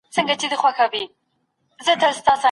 د بهرنیو تګلاري پلي کول تل مؤثر نه وي.